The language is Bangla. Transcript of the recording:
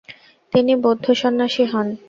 তিনি বৌদ্ধ সন্ন্যাসী হন।